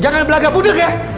jangan belagak budeg ya